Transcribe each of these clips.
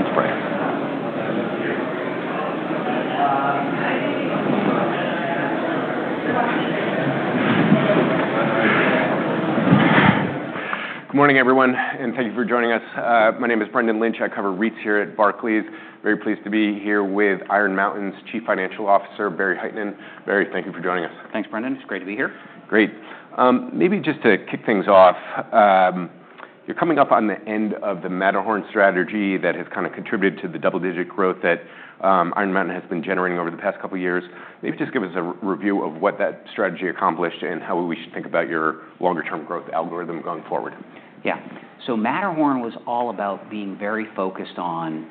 She gets a lunch break. Good morning, everyone, and thank you for joining us. My name is Brendan Lynch. I cover REITs here at Barclays. Very pleased to be here with Iron Mountain's Chief Financial Officer, Barry Hytinen. Barry, thank you for joining us. Thanks, Brendan. It's great to be here. Great. Maybe just to kick things off, you're coming up on the end of the Matterhorn strategy that has kind of contributed to the double-digit growth that Iron Mountain has been generating over the past couple of years. Maybe just give us a review of what that strategy accomplished and how we should think about your longer-term growth algorithm going forward. Yeah. So Matterhorn was all about being very focused on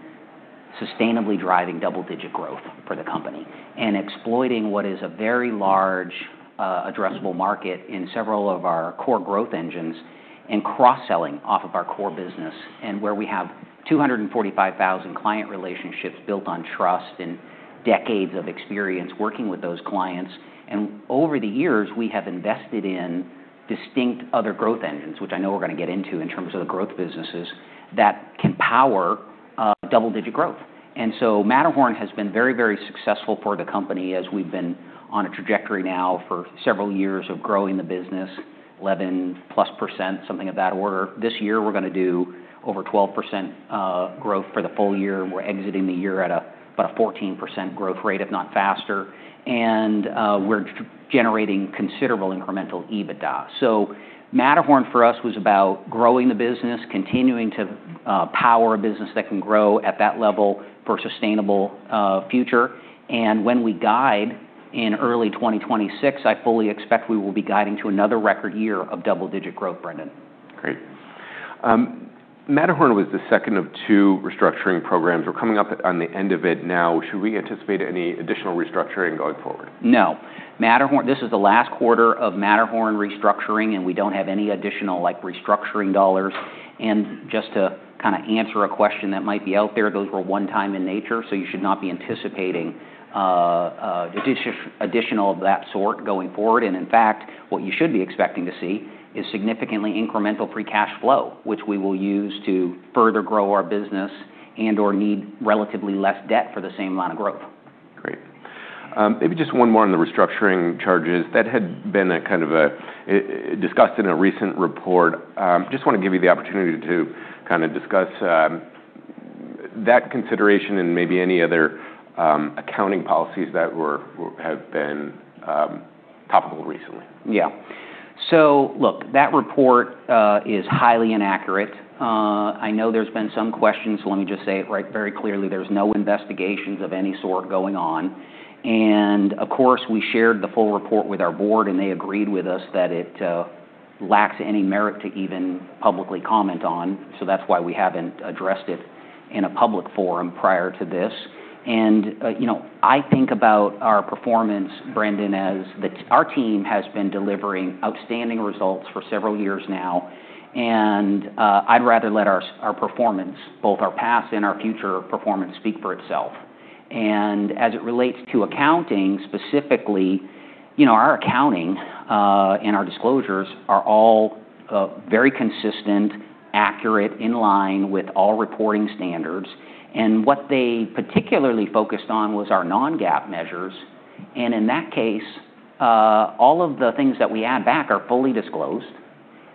sustainably driving double-digit growth for the company and exploiting what is a very large addressable market in several of our core growth engines and cross-selling off of our core business, and where we have 245,000 client relationships built on trust and decades of experience working with those clients. And over the years, we have invested in distinct other growth engines, which I know we're going to get into in terms of the growth businesses that can power double-digit growth. And so Matterhorn has been very, very successful for the company as we've been on a trajectory now for several years of growing the business, 11-plus %, something of that order. This year, we're going to do over 12% growth for the full year. We're exiting the year at about a 14% growth rate, if not faster. We're generating considerable incremental EBITDA. Matterhorn for us was about growing the business, continuing to power a business that can grow at that level for a sustainable future. When we guide in early 2026, I fully expect we will be guiding to another record year of double-digit growth, Brendan. Great. Matterhorn was the second of two restructuring programs. We're coming up on the end of it now. Should we anticipate any additional restructuring going forward? No. This is the last quarter of Matterhorn restructuring, and we don't have any additional restructuring dollars, and just to kind of answer a question that might be out there, those were one-time in nature, so you should not be anticipating additional of that sort going forward, and in fact, what you should be expecting to see is significantly incremental free cash flow, which we will use to further grow our business and/or need relatively less debt for the same amount of growth. Great. Maybe just one more on the restructuring charges. That had been kind of discussed in a recent report. Just want to give you the opportunity to kind of discuss that consideration and maybe any other accounting policies that have been topical recently. Yeah. So, look, that report is highly inaccurate. I know there's been some questions, so let me just say it very clearly. There's no investigations of any sort going on. And of course, we shared the full report with our board, and they agreed with us that it lacks any merit to even publicly comment on. So that's why we haven't addressed it in a public forum prior to this. And I think about our performance, Brendan, as our team has been delivering outstanding results for several years now. And I'd rather let our performance, both our past and our future performance, speak for itself. And as it relates to accounting specifically, our accounting and our disclosures are all very consistent, accurate, in line with all reporting standards. And what they particularly focused on was our non-GAAP measures. In that case, all of the things that we add back are fully disclosed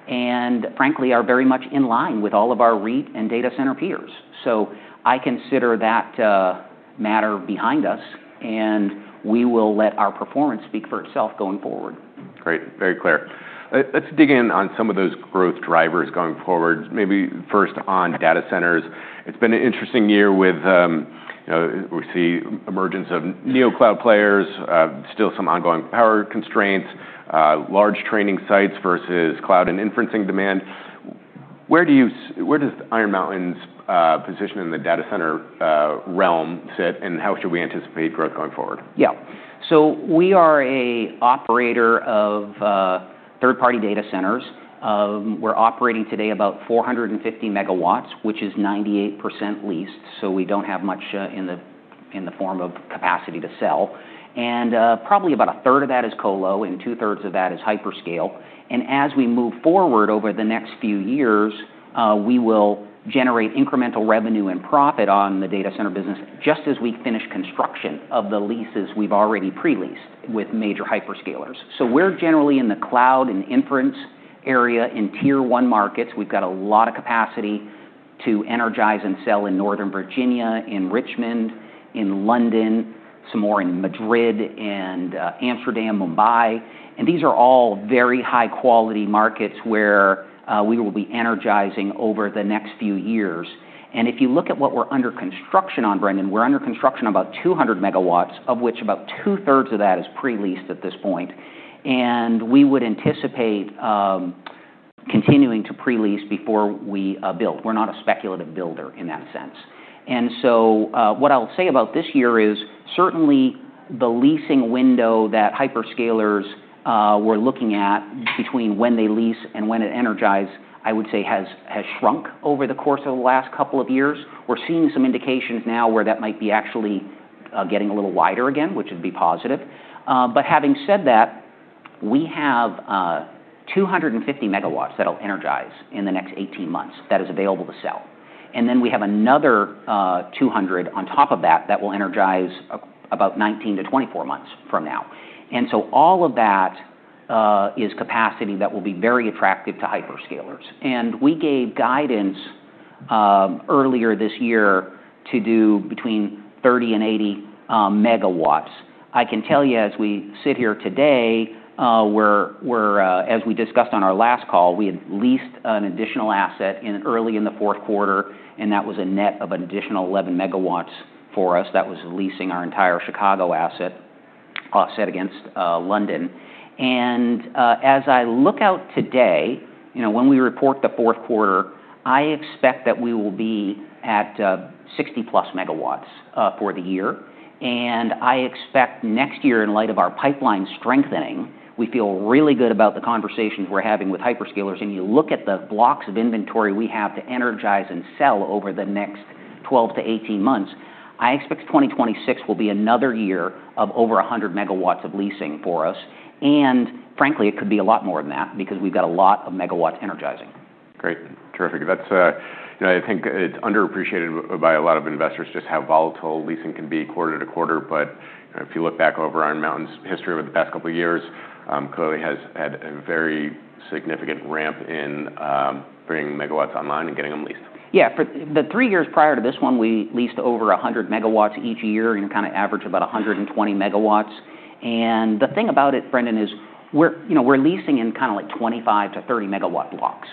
and, frankly, are very much in line with all of our REIT and data center peers. So I consider that matter behind us, and we will let our performance speak for itself going forward. Great. Very clear. Let's dig in on some of those growth drivers going forward. Maybe first on data centers. It's been an interesting year with. We see the emergence of NeoCloud players, still some ongoing power constraints, large training sites versus cloud and inferencing demand. Where does Iron Mountain's position in the data center realm sit, and how should we anticipate growth going forward? Yeah. We are an operator of third-party data centers. We are operating today about 450 megawatts, which is 98% leased. We do not have much in the form of capacity to sell. Probably about a third of that is colo, and two-thirds of that is hyperscale. As we move forward over the next few years, we will generate incremental revenue and profit on the data center business just as we finish construction of the leases we have already pre-leased with major hyperscalers. We are generally in the cloud and inference area in tier-one markets. We have got a lot of capacity to energize and sell in Northern Virginia, in Richmond, in London, some more in Madrid, and Amsterdam, Mumbai. These are all very high-quality markets where we will be energizing over the next few years. And if you look at what we're under construction on, Brendan, we're under construction on about 200 megawatts, of which about two-thirds of that is pre-leased at this point. And we would anticipate continuing to pre-lease before we build. We're not a speculative builder in that sense. And so what I'll say about this year is certainly the leasing window that hyperscalers were looking at between when they lease and when it energizes, I would say, has shrunk over the course of the last couple of years. We're seeing some indications now where that might be actually getting a little wider again, which would be positive. But having said that, we have 250 megawatts that will energize in the next 18 months that is available to sell. And then we have another 200 on top of that that will energize about 19 to 24 months from now. And so all of that is capacity that will be very attractive to hyperscalers. And we gave guidance earlier this year to do between 30 and 80 megawatts. I can tell you, as we sit here today, as we discussed on our last call, we had leased an additional asset early in the fourth quarter, and that was a net of an additional 11 megawatts for us. That was leasing our entire Chicago asset offset against London. And as I look out today, when we report the fourth quarter, I expect that we will be at 60-plus megawatts for the year. And I expect next year, in light of our pipeline strengthening, we feel really good about the conversations we're having with hyperscalers. You look at the blocks of inventory we have to energize and sell over the next 12 to 18 months. I expect 2026 will be another year of over 100 megawatts of leasing for us. Frankly, it could be a lot more than that because we've got a lot of megawatts energizing. Great. Terrific. I think it's underappreciated by a lot of investors just how volatile leasing can be quarter to quarter. But if you look back over Iron Mountain's history over the past couple of years, clearly has had a very significant ramp in bringing megawatts online and getting them leased. Yeah. The three years prior to this one, we leased over 100 megawatts each year and kind of averaged about 120 megawatts. And the thing about it, Brendan, is we're leasing in kind of like 25-30-megawatt blocks.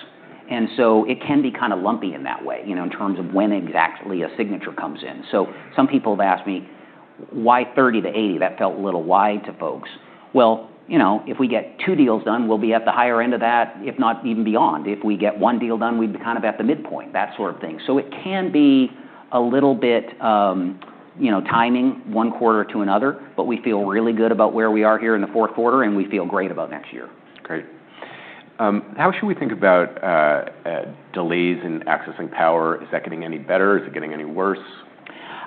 And so it can be kind of lumpy in that way in terms of when exactly a signature comes in. So some people have asked me, "Why 30-80?" That felt a little wide to folks. Well, if we get two deals done, we'll be at the higher end of that, if not even beyond. If we get one deal done, we'd be kind of at the midpoint, that sort of thing. So it can be a little bit of timing one quarter to another, but we feel really good about where we are here in the fourth quarter, and we feel great about next year. Great. How should we think about delays in accessing power? Is that getting any better? Is it getting any worse?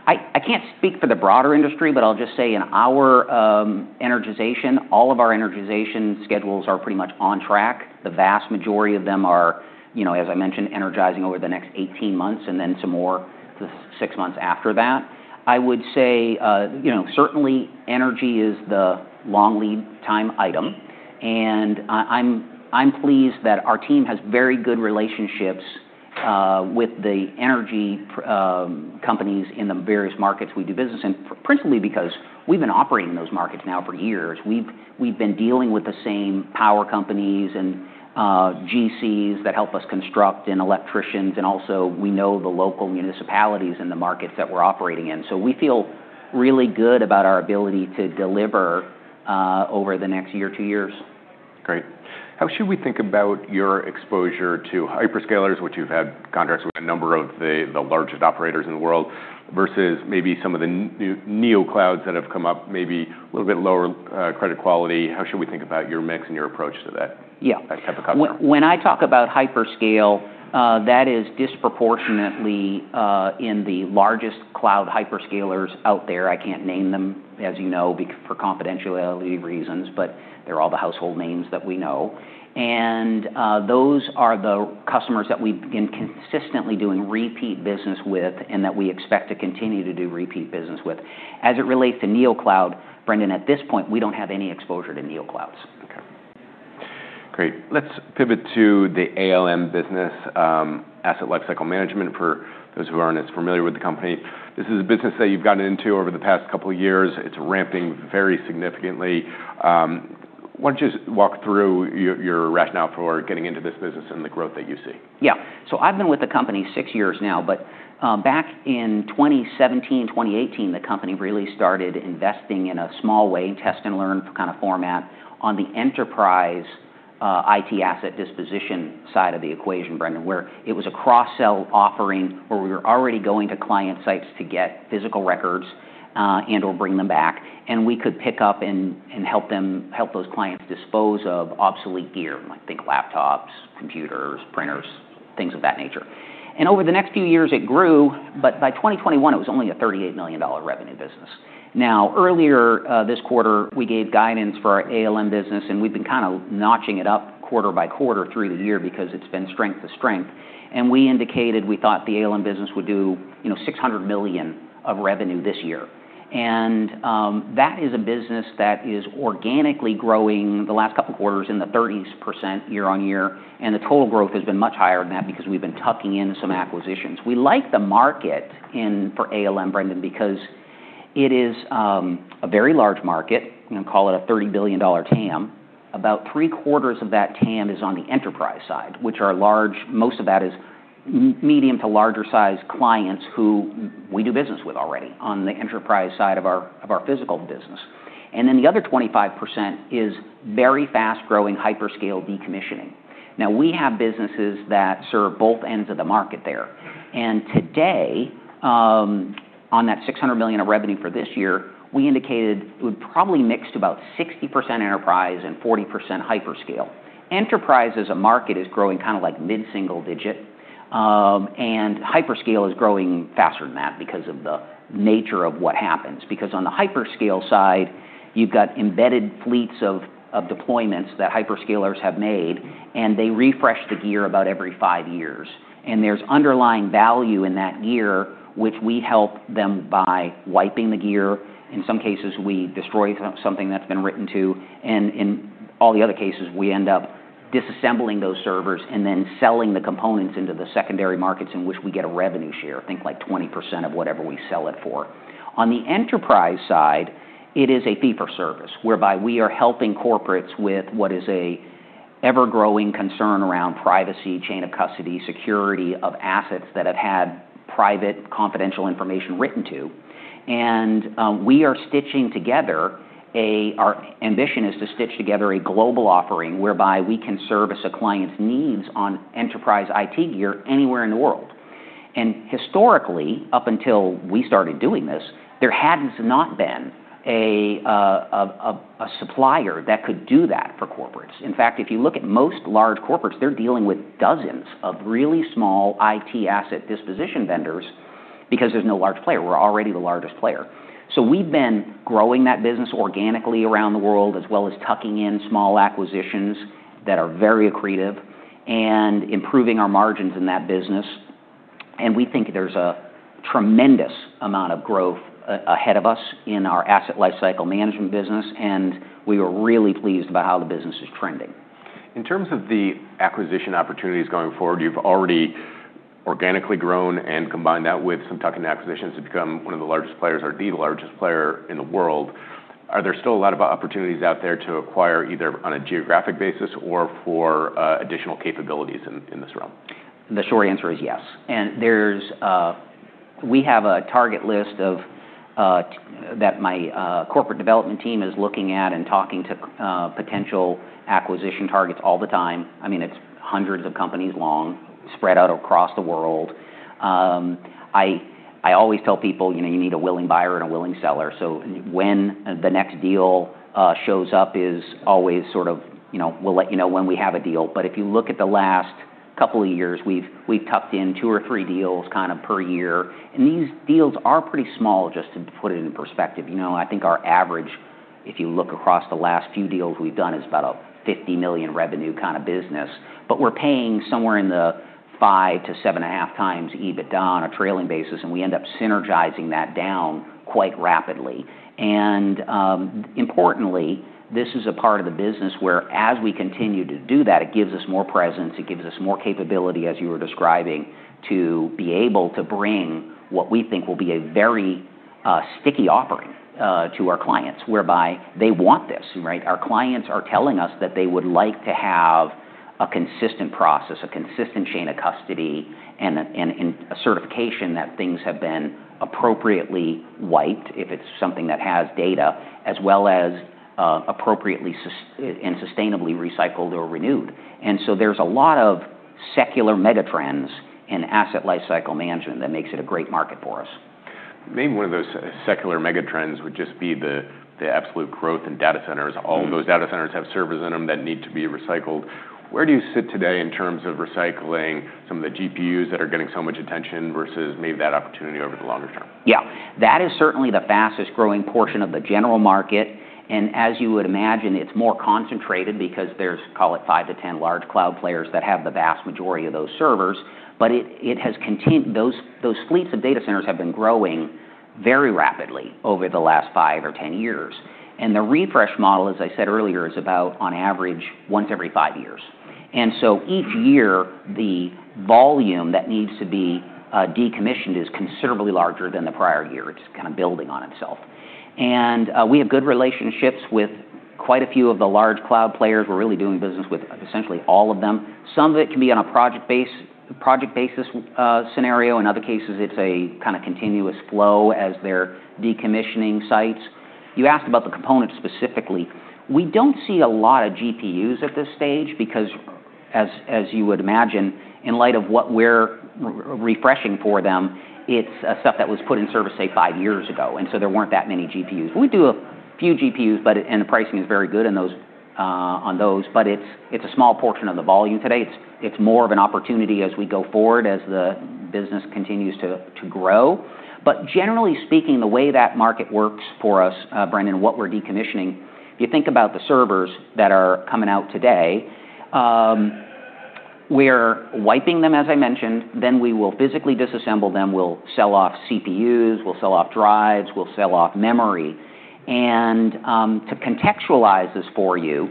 I can't speak for the broader industry, but I'll just say in our energization, all of our energization schedules are pretty much on track. The vast majority of them are, as I mentioned, energizing over the next 18 months and then some more the six months after that. I would say certainly energy is the long lead time item, and I'm pleased that our team has very good relationships with the energy companies in the various markets we do business in, principally because we've been operating in those markets now for years. We've been dealing with the same power companies and GCs that help us construct and electricians, and also, we know the local municipalities and the markets that we're operating in, so we feel really good about our ability to deliver over the next year or two years. Great. How should we think about your exposure to hyperscalers, which you've had contracts with a number of the largest operators in the world, versus maybe some of the NeoClouds that have come up, maybe a little bit lower credit quality? How should we think about your mix and your approach to that type of contract? Yeah. When I talk about hyperscale, that is disproportionately in the largest cloud hyperscalers out there. I can't name them, as you know, for confidentiality reasons, but they're all the household names that we know. And those are the customers that we've been consistently doing repeat business with and that we expect to continue to do repeat business with. As it relates to NeoCloud, Brendan, at this point, we don't have any exposure to NeoClouds. Okay. Great. Let's pivot to the ALM business, Asset Lifecycle Management, for those who aren't as familiar with the company. This is a business that you've gotten into over the past couple of years. It's ramping very significantly. Why don't you just walk through your rationale for getting into this business and the growth that you see? Yeah. So I've been with the company six years now, but back in 2017, 2018, the company really started investing in a small way, test and learn kind of format on the enterprise IT asset disposition side of the equation, Brendan, where it was a cross-sell offering where we were already going to client sites to get physical records and/or bring them back. And we could pick up and help those clients dispose of obsolete gear, like, think laptops, computers, printers, things of that nature. And over the next few years, it grew, but by 2021, it was only a $38 million revenue business. Now, earlier this quarter, we gave guidance for our ALM business, and we've been kind of notching it up quarter by quarter through the year because it's been strength to strength. We indicated we thought the ALM business would do $600 million of revenue this year. That is a business that is organically growing the last couple of quarters in the 30% year on year. The total growth has been much higher than that because we've been tucking in some acquisitions. We like the market for ALM, Brendan, because it is a very large market. We're going to call it a $30 billion TAM. About three-quarters of that TAM is on the enterprise side, which are large. Most of that is medium to larger size clients who we do business with already on the enterprise side of our physical business. The other 25% is very fast-growing hyperscale decommissioning. Now, we have businesses that serve both ends of the market there. Today, on that $600 million of revenue for this year, we indicated it would probably mix to about 60% enterprise and 40% hyperscale. Enterprise as a market is growing kind of like mid-single digit. Hyperscale is growing faster than that because of the nature of what happens. Because on the hyperscale side, you've got embedded fleets of deployments that hyperscalers have made, and they refresh the gear about every five years. There's underlying value in that gear, which we help them by wiping the gear. In some cases, we destroy something that's been written to. In all the other cases, we end up disassembling those servers and then selling the components into the secondary markets in which we get a revenue share, think like 20% of whatever we sell it for. On the enterprise side, it is a fee-for-service, whereby we are helping corporates with what is an ever-growing concern around privacy, chain of custody, security of assets that have had private confidential information written to, and we are stitching together. Our ambition is to stitch together a global offering whereby we can service a client's needs on enterprise IT gear anywhere in the world, and historically, up until we started doing this, there had not been a supplier that could do that for corporates. In fact, if you look at most large corporates, they're dealing with dozens of really small IT asset disposition vendors because there's no large player. We're already the largest player, so we've been growing that business organically around the world, as well as tucking in small acquisitions that are very accretive and improving our margins in that business. We think there's a tremendous amount of growth ahead of us in our Asset Lifecycle Management business, and we are really pleased about how the business is trending. In terms of the acquisition opportunities going forward, you've already organically grown and combined that with some tuck-in acquisitions to become one of the largest players, or the largest player in the world. Are there still a lot of opportunities out there to acquire either on a geographic basis or for additional capabilities in this realm? The short answer is yes. And we have a target list that my corporate development team is looking at and talking to potential acquisition targets all the time. I mean, it's hundreds of companies long, spread out across the world. I always tell people, "You need a willing buyer and a willing seller." So when the next deal shows up is always sort of, "We'll let you know when we have a deal." But if you look at the last couple of years, we've tucked in two or three deals kind of per year. And these deals are pretty small, just to put it in perspective. I think our average, if you look across the last few deals we've done, is about a $50 million revenue kind of business. But we're paying somewhere in the five to seven and a half times EBITDA on a trailing basis, and we end up synergizing that down quite rapidly. And importantly, this is a part of the business where, as we continue to do that, it gives us more presence. It gives us more capability, as you were describing, to be able to bring what we think will be a very sticky offering to our clients, whereby they want this. Our clients are telling us that they would like to have a consistent process, a consistent chain of custody, and a certification that things have been appropriately wiped, if it's something that has data, as well as appropriately and sustainably recycled or renewed. And so there's a lot of secular megatrends in asset lifecycle management that makes it a great market for us. Maybe one of those secular megatrends would just be the absolute growth in data centers. All of those data centers have servers in them that need to be recycled. Where do you sit today in terms of recycling some of the GPUs that are getting so much attention versus maybe that opportunity over the longer term? Yeah. That is certainly the fastest-growing portion of the general market. And as you would imagine, it's more concentrated because there's, call it, five to 10 large cloud players that have the vast majority of those servers. But those fleets of data centers have been growing very rapidly over the last five or 10 years. And the refresh model, as I said earlier, is about, on average, once every five years. And so each year, the volume that needs to be decommissioned is considerably larger than the prior year. It's kind of building on itself. And we have good relationships with quite a few of the large cloud players. We're really doing business with essentially all of them. Some of it can be on a project-basis scenario. In other cases, it's a kind of continuous flow as they're decommissioning sites. You asked about the components specifically. We don't see a lot of GPUs at this stage because, as you would imagine, in light of what we're refreshing for them, it's stuff that was put in service, say, five years ago, and so there weren't that many GPUs. We do a few GPUs, and the pricing is very good on those, but it's a small portion of the volume today. It's more of an opportunity as we go forward, as the business continues to grow, but generally speaking, the way that market works for us, Brendan, and what we're decommissioning, if you think about the servers that are coming out today, we're wiping them, as I mentioned, then we will physically disassemble them. We'll sell off CPUs. We'll sell off drives. We'll sell off memory. And to contextualize this for you,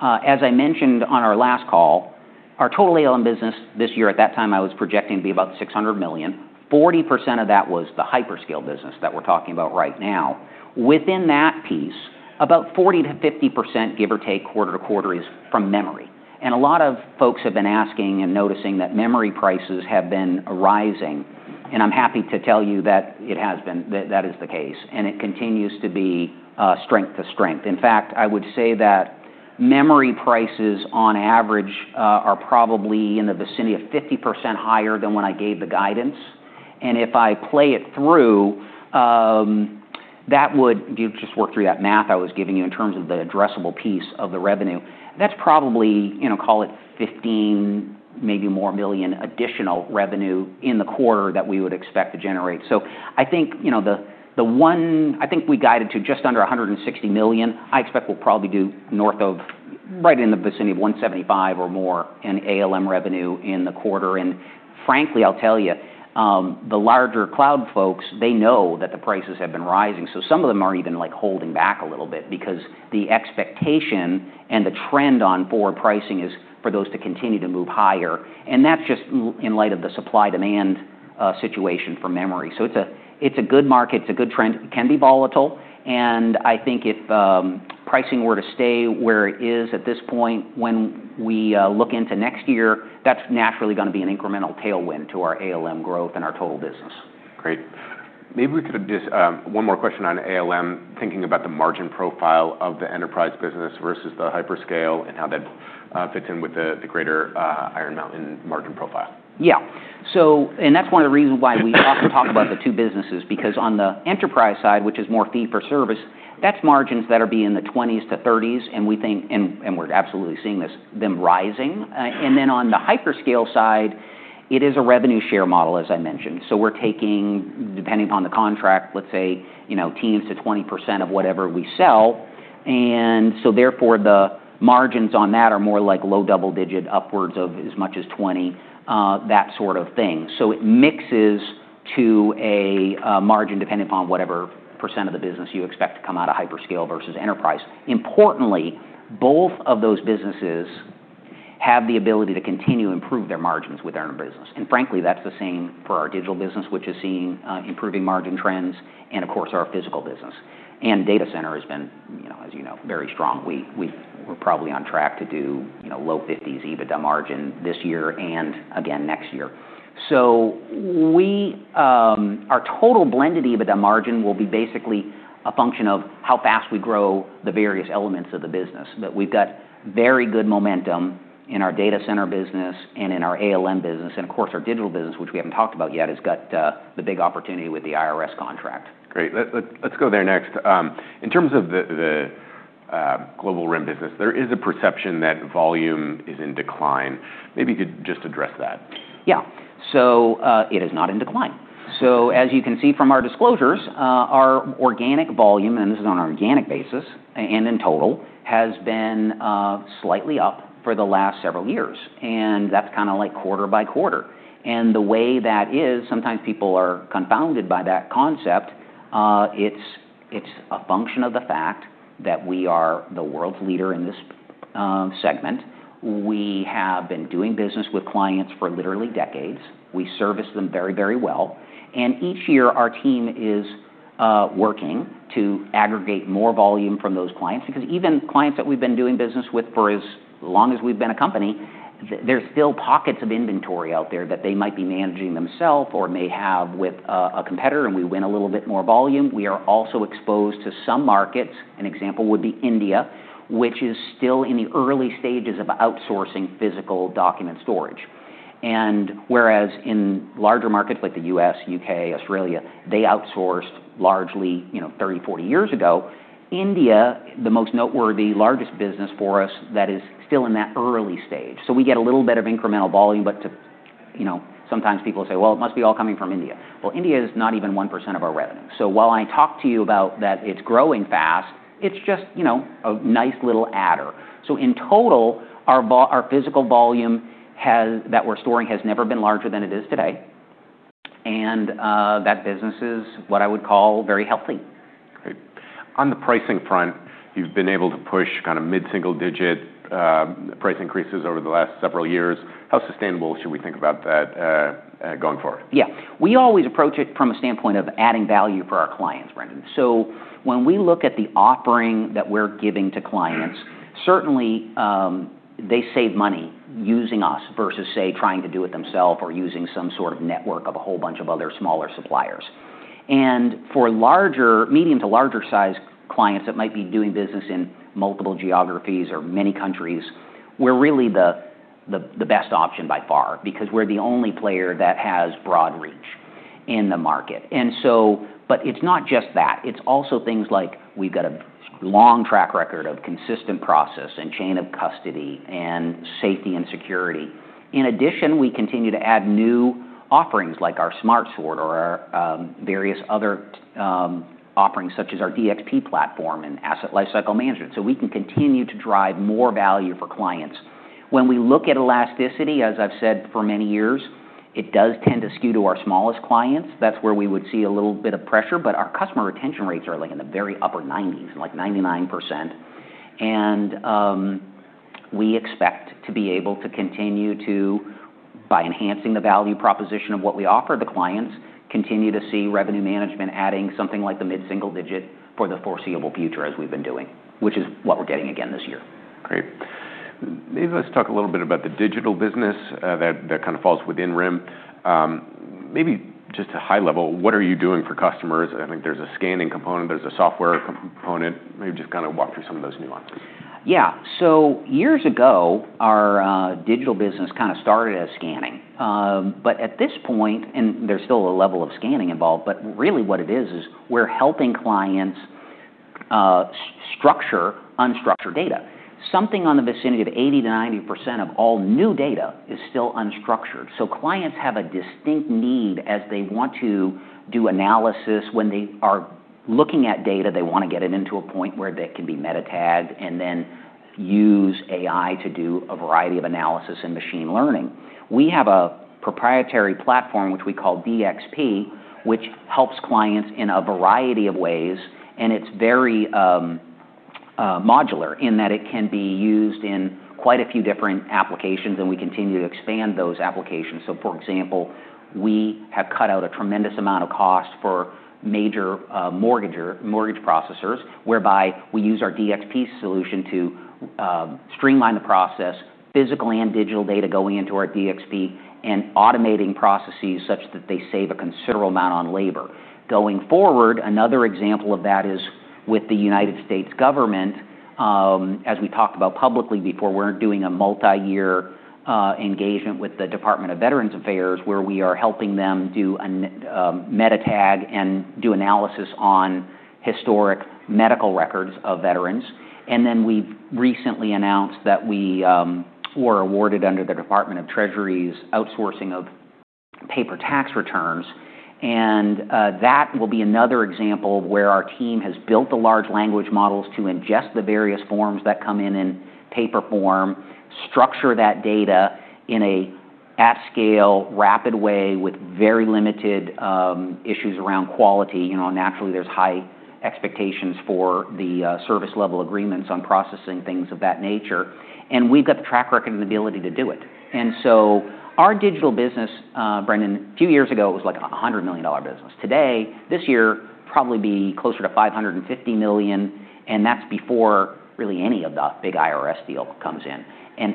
as I mentioned on our last call, our total ALM business this year, at that time, I was projecting to be about $600 million. 40% of that was the hyperscale business that we're talking about right now. Within that piece, about 40%-50%, give or take, quarter to quarter, is from memory. And a lot of folks have been asking and noticing that memory prices have been rising. And I'm happy to tell you that it has been. That is the case. And it continues to be strength to strength. In fact, I would say that memory prices, on average, are probably in the vicinity of 50% higher than when I gave the guidance. If I play it through, that would, if you just work through that math I was giving you in terms of the addressable piece of the revenue, that's probably, call it $15 million, maybe more additional revenue in the quarter that we would expect to generate. So I think the one I think we guided to just under $160 million. I expect we'll probably do north of, right in the vicinity of $175 million or more in ALM revenue in the quarter. And frankly, I'll tell you, the larger cloud folks, they know that the prices have been rising. So some of them are even holding back a little bit because the expectation and the trend on forward pricing is for those to continue to move higher. And that's just in light of the supply-demand situation for memory. So it's a good market. It's a good trend. It can be volatile, and I think if pricing were to stay where it is at this point, when we look into next year, that's naturally going to be an incremental tailwind to our ALM growth and our total business. Great. Maybe we could address one more question on ALM, thinking about the margin profile of the enterprise business versus the hyperscale and how that fits in with the greater Iron Mountain margin profile. Yeah. And that's one of the reasons why we often talk about the two businesses, because on the enterprise side, which is more fee-for-service, that's margins that are being in the 20%-30%. And we're absolutely seeing them rising. And then on the hyperscale side, it is a revenue share model, as I mentioned. So we're taking, depending upon the contract, let's say, teens-20% of whatever we sell. And so therefore, the margins on that are more like low double-digit upwards of as much as 20%, that sort of thing. So it mixes to a margin depending upon whatever % of the business you expect to come out of hyperscale versus enterprise. Importantly, both of those businesses have the ability to continue to improve their margins with their own business. Frankly, that's the same for our digital business, which is seeing improving margin trends, and of course, our physical business. Data center has been, as you know, very strong. We're probably on track to do low 50s% EBITDA margin this year and again next year. Our total blended EBITDA margin will be basically a function of how fast we grow the various elements of the business. We've got very good momentum in our data center business and in our ALM business. Of course, our digital business, which we haven't talked about yet, has got the big opportunity with the IRS contract. Great. Let's go there next. In terms of the global RIM business, there is a perception that volume is in decline. Maybe you could just address that. Yeah, so it is not in decline, so as you can see from our disclosures, our organic volume, and this is on an organic basis, and in total, has been slightly up for the last several years, and that's kind of like quarter by quarter, and the way that is, sometimes people are confounded by that concept. It's a function of the fact that we are the world's leader in this segment. We have been doing business with clients for literally decades. We service them very, very well, and each year, our team is working to aggregate more volume from those clients. Because even clients that we've been doing business with for as long as we've been a company, there's still pockets of inventory out there that they might be managing themselves or may have with a competitor, and we win a little bit more volume. We are also exposed to some markets. An example would be India, which is still in the early stages of outsourcing physical document storage. Whereas in larger markets like the U.S., U.K., Australia, they outsourced largely 30, 40 years ago, India, the most noteworthy, largest business for us, that is still in that early stage. We get a little bit of incremental volume, but sometimes people say, "Well, it must be all coming from India." India is not even 1% of our revenue. While I talk to you about that it's growing fast, it's just a nice little adder. In total, our physical volume that we're storing has never been larger than it is today. That business is what I would call very healthy. Great. On the pricing front, you've been able to push kind of mid-single-digit price increases over the last several years. How sustainable should we think about that going forward? Yeah. We always approach it from a standpoint of adding value for our clients, Brendan, so when we look at the offering that we're giving to clients, certainly they save money using us versus, say, trying to do it themselves or using some sort of network of a whole bunch of other smaller suppliers, and for medium to larger size clients that might be doing business in multiple geographies or many countries, we're really the best option by far because we're the only player that has broad reach in the market, but it's not just that. It's also things like we've got a long track record of consistent process and chain of custody and safety and security. In addition, we continue to add new offerings like our Smart Sort or our various other offerings, such as our DXP platform and Asset Lifecycle Management. So we can continue to drive more value for clients. When we look at elasticity, as I've said for many years, it does tend to skew to our smallest clients. That's where we would see a little bit of pressure. But our customer retention rates are in the very upper 90s, like 99%. And we expect to be able to continue to, by enhancing the value proposition of what we offer the clients, continue to see revenue management adding something like the mid-single digit for the foreseeable future, as we've been doing, which is what we're getting again this year. Great. Maybe let's talk a little bit about the digital business that kind of falls within RIM. Maybe just at a high level, what are you doing for customers? I think there's a scanning component. There's a software component. Maybe just kind of walk through some of those nuances. Yeah. So years ago, our digital business kind of started as scanning. But at this point, and there's still a level of scanning involved, but really what it is, is we're helping clients structure unstructured data. Something on the vicinity of 80%-90% of all new data is still unstructured. So clients have a distinct need as they want to do analysis. When they are looking at data, they want to get it into a point where they can be meta-tagged and then use AI to do a variety of analysis and machine learning. We have a proprietary platform, which we call DXP, which helps clients in a variety of ways. And it's very modular in that it can be used in quite a few different applications, and we continue to expand those applications. For example, we have cut out a tremendous amount of cost for major mortgage processors, whereby we use our DXP solution to streamline the process, physical and digital data going into our DXP, and automating processes such that they save a considerable amount on labor. Going forward, another example of that is with the United States government. As we talked about publicly before, we're doing a multi-year engagement with the Department of Veterans Affairs, where we are helping them do a meta-tag and do analysis on historic medical records of veterans. Then we've recently announced that we were awarded under the Department of the Treasury's outsourcing of paper tax returns. That will be another example of where our team has built the large language models to ingest the various forms that come in in paper form, structure that data in an at-scale, rapid way with very limited issues around quality. Naturally, there's high expectations for the service-level agreements on processing things of that nature. We've got the track record and ability to do it. So our digital business, Brendan, a few years ago, it was like a $100 million business. Today, this year, probably be closer to $550 million. That's before really any of the big IRS deal comes in.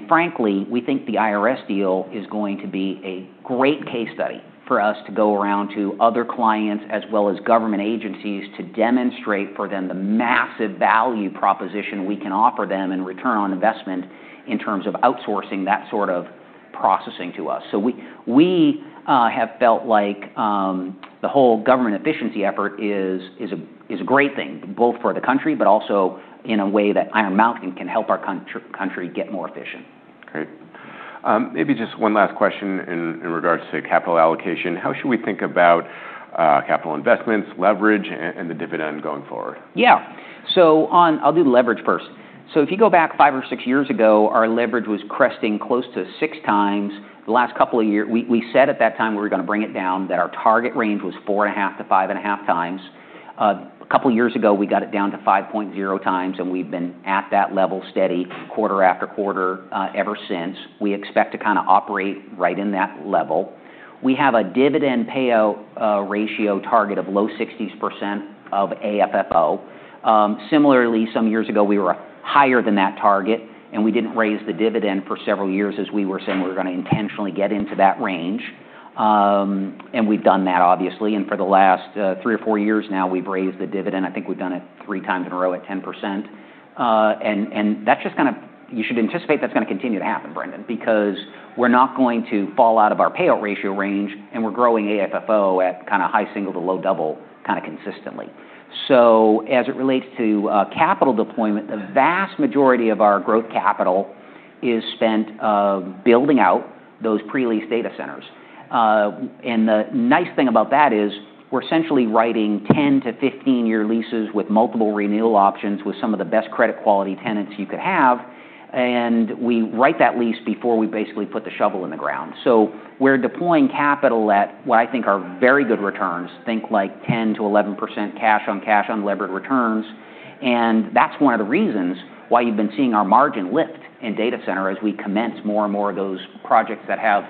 Frankly, we think the IRS deal is going to be a great case study for us to go around to other clients as well as government agencies to demonstrate for them the massive value proposition we can offer them in return on investment in terms of outsourcing that sort of processing to us. We have felt like the whole government efficiency effort is a great thing, both for the country, but also in a way that Iron Mountain can help our country get more efficient. Great. Maybe just one last question in regards to capital allocation. How should we think about capital investments, leverage, and the dividend going forward? Yeah. So I'll do the leverage first. So if you go back five or six years ago, our leverage was cresting close to six times. The last couple of years, we said at that time we were going to bring it down, that our target range was four and a half to five and a half times. A couple of years ago, we got it down to 5.0 times, and we've been at that level steady quarter after quarter ever since. We expect to kind of operate right in that level. We have a dividend payout ratio target of low 60s% of AFFO. Similarly, some years ago, we were higher than that target, and we didn't raise the dividend for several years as we were saying we were going to intentionally get into that range. And we've done that, obviously. For the last three or four years now, we've raised the dividend. I think we've done it three times in a row at 10%. That's just kind of, you should anticipate that's going to continue to happen, Brendan, because we're not going to fall out of our payout ratio range, and we're growing AFFO at kind of high single to low double kind of consistently. As it relates to capital deployment, the vast majority of our growth capital is spent building out those pre-lease data centers. The nice thing about that is we're essentially writing 10- to 15-year leases with multiple renewal options with some of the best credit quality tenants you could have. We write that lease before we basically put the shovel in the ground. So we're deploying capital at what I think are very good returns, think like 10%-11% cash on cash on levered returns. And that's one of the reasons why you've been seeing our margin lift in data center as we commence more and more of those projects that have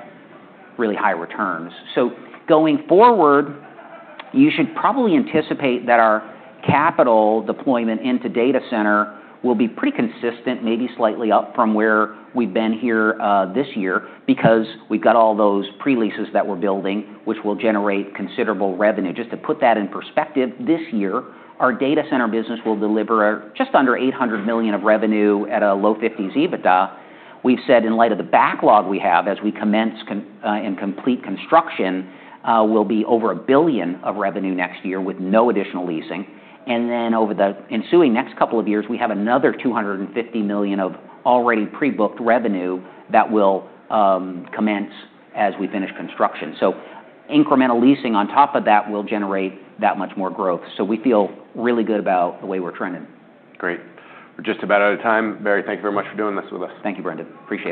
really high returns. So going forward, you should probably anticipate that our capital deployment into data center will be pretty consistent, maybe slightly up from where we've been here this year, because we've got all those pre-leases that we're building, which will generate considerable revenue. Just to put that in perspective, this year, our data center business will deliver just under $800 million of revenue at a low 50s EBITDA. We've said in light of the backlog we have as we commence and complete construction, we'll be over $1 billion of revenue next year with no additional leasing. Then over the ensuing next couple of years, we have another $250 million of already pre-booked revenue that will commence as we finish construction. Incremental leasing on top of that will generate that much more growth. We feel really good about the way we're trending. Great. We're just about out of time. Barry, thank you very much for doing this with us. Thank you, Brendan. Appreciate it.